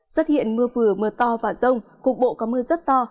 xuất hiện mưa vừa mưa to và rông cục bộ có mưa rất to